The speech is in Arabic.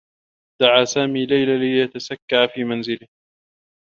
دعى سامي ليلى للتّسكّع في منزله.